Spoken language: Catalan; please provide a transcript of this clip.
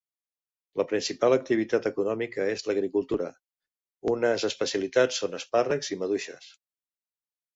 La principal activitat econòmica és l'agricultura, unes especialitats són espàrrecs i maduixes.